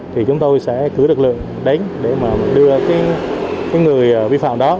thì chúng tôi sẽ cử lực lượng đánh để đưa người bị phạm đó